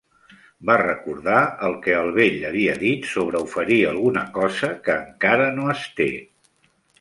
Va recordar el que el vell havia dit sobre oferir alguna cosa que encara no es té.